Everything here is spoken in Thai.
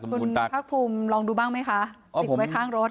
คุณภาคภูมิลองดูบ้างไหมคะติดไว้ข้างรถ